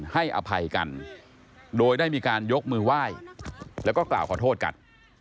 ให้อภัยกันโดยได้มีการยกมือไหว้แล้วก็กล่าวขอโทษกัน